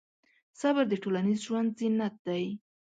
صبر د ټولنیز ژوند زینت دی.